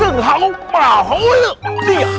ada toha rasulillah